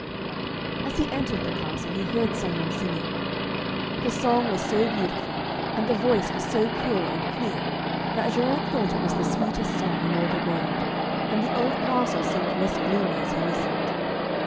As he entered the castle, he heard some one singing. The song was so beautiful, and the voice was so pure and clear, that Geraint thought it was the sweetest song in all the world, and the old castle seemed less gloomy as he listened.